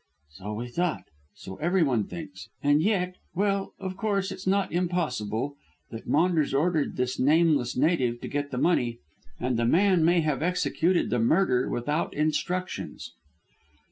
"So we thought; so everyone thinks; and yet well, of course, it's not impossible that Maunders ordered this nameless native to get the money, and the man may have executed the murder without instructions."